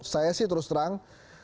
saya sih terus terang